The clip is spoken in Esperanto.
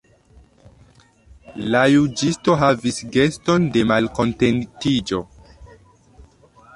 La juĝisto havis geston de malkontentiĝo.